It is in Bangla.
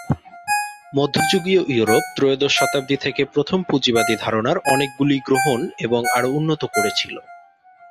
মধ্যযুগীয় ইউরোপ ত্রয়োদশ শতাব্দী থেকে প্রথম পুঁজিবাদী ধারণার অনেকগুলি গ্রহণ এবং আরও উন্নত করেছিল।